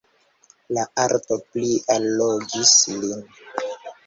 La arto pli allogis lin.